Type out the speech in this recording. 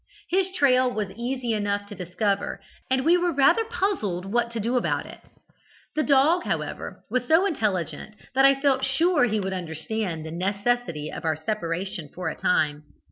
His trail was easy enough to discover, and we were rather puzzled what to do about it. The dog, however, was so intelligent that I felt sure he would understand the necessity of our separation for a time.